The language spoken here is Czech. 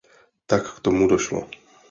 Tak k tomu došlo.